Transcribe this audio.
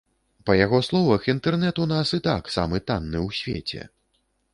Па яго словах, інтэрнэт у нас і так самы танны ў свеце.